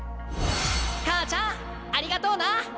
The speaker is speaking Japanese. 母ちゃんありがとうな！